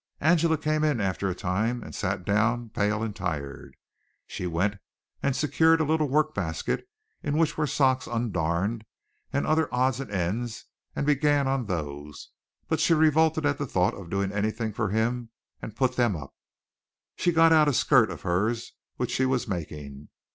Angela came in after a time and sat down pale and tired. She went and secured a little workbasket in which were socks undarned and other odds and ends and began on those, but she revolted at the thought of doing anything for him and put them up. She got out a skirt of hers which she was making.